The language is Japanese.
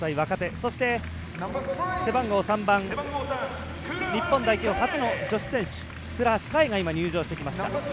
そして、背番号３番日本代表初の女子選手倉橋香衣が入場してきました。